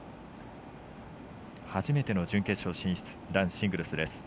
初めての準決勝進出男子シングルスです。